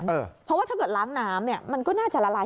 เพราะว่าถ้าเข็ดล้างนามน่าจะละลาย